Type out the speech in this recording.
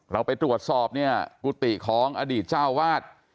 เราไปตรวจสอบเนี่ยกุฏิของอดีตเจ้าวาด